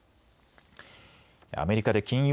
アメリカで金融